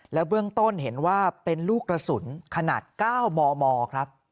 เบื้องต้นเห็นว่าเป็นลูกกระสุนขนาด๙มมครับ